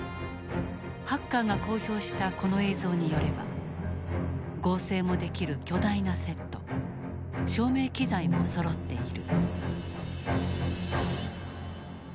ハッカーが公表したこの映像によれば合成もできる巨大なセット照明機材もそろっている。